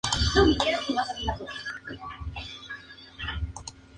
La actuación despertó el entusiasmo de futuristas como Filippo Tommaso Marinetti.